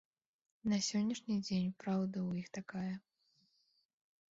На сённяшні дзень праўда ў іх такая.